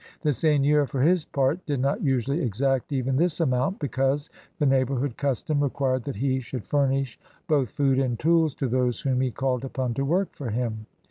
The seigneur, for his part, did not usually exact even this amount, because the neighborhood custom required that he should furnish both food and tools to those whom he called upon to work for him.